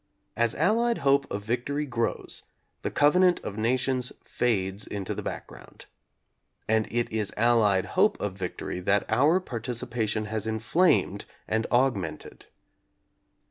As Allied hope of victory grows, the covenant of nations fades into the background. And it is Allied hope of victory that our participation has inflamed and augmented.